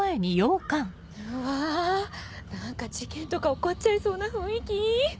うわ何か事件とか起こっちゃいそうな雰囲気。